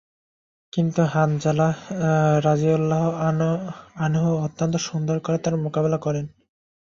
কিন্তু হানজালা রাযিয়াল্লাহু আনহু অত্যন্ত সুন্দর করে তার মোকাবিলা করেন।